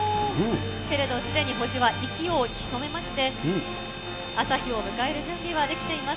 けれどすでに星は息をひそめまして、朝日を迎える準備はできています。